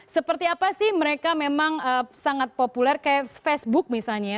seperti apa sih mereka memang sangat populer kayak facebook misalnya ya